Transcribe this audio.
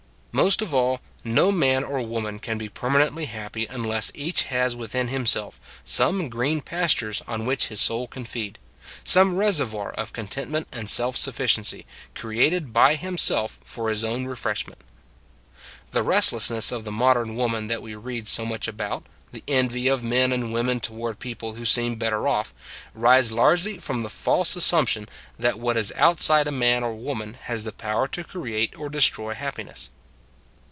Most of all, no man or woman can be permanently happy unless each has within himself some green pastures on which his soul can feed; some reservoir of content ment and self sufficiency, created by him self for his own refreshment. The restlessness of the modern woman that we read so much about, the envy of men and women toward people who seem better off, rise largely from the false as 144 It s a Good Old World sumption that what is outside a man or woman has the power to create or destroy happiness.